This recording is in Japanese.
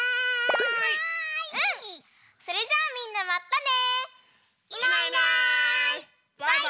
それじゃあみんなまたね！